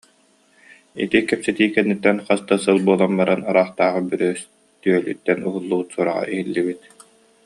Ити кэпсэтии кэнниттэн хас да сыл буолан баран ыраахтааҕы бүрүстүөлүттэн уһуллубут сураҕа иһиллибит